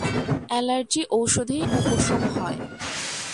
Allergy ঔষধেই উপশম হয়।